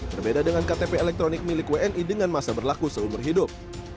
berbeda dengan ktp elektronik milik wni dengan masa berlaku seumur hidup